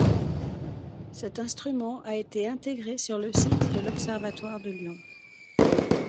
Cet instrument a été intégré sur le site de l'Observatoire de Lyon.